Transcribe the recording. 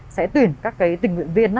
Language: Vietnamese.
sẽ tuyển các cái tình nguyện viên á